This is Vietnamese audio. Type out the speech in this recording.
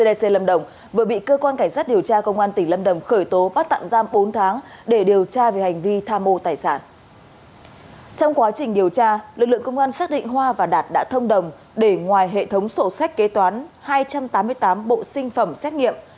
trong quá trình điều tra lực lượng công an xác định hoa và đạt đã thông đồng để ngoài hệ thống sổ sách kế toán hai trăm tám mươi tám bộ sinh phẩm xét nghiệm